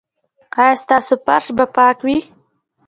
ایا ستاسو فرش به پاک وي؟